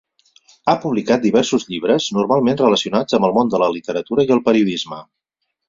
Ha publicat diversos llibres, normalment relacionats amb el món de la literatura i el periodisme.